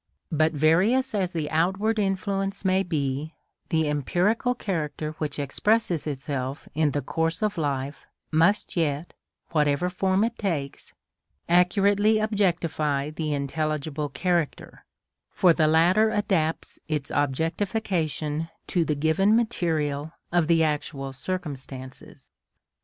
But various as the outward influence may be, the empirical character which expresses itself in the course of life must yet, whatever form it takes, accurately objectify the intelligible character, for the latter adapts its objectification to the given material of actual circumstances.